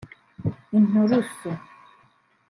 inturusu